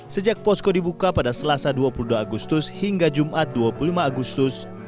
sejak posko dibuka pada selasa dua puluh dua agustus hingga jumat dua puluh lima agustus